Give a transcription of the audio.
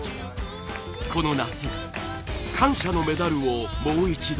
この夏感謝のメダルをもう一度